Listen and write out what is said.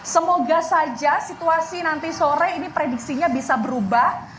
semoga saja situasi nanti sore ini prediksinya bisa berubah